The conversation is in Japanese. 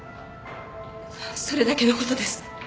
それだけの事です。